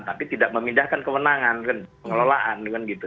tapi tidak memindahkan kewenangan pengelolaan gitu